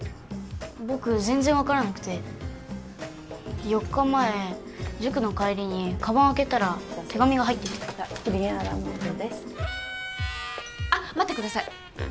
僕全然分からなくて４日前塾の帰りにカバン開けたら手紙が入ってて・プリンアラモードですあっ待ってください